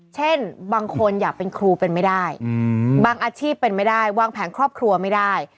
เช่นบางคนอยากเป็นครูเป็นไม่ได้บางอาชีพเป็นไม่ได้วางแผนครอบครัวไม่ได้